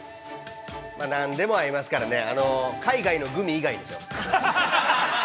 ◆何でも合いますからね海外のグミ以外でしょう。